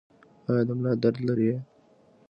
ایا د ملا درد لرئ؟